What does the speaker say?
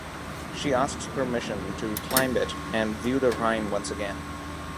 She asks permission to climb it and view the Rhine once again.